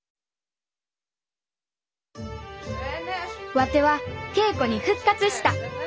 ワテは稽古に復活した。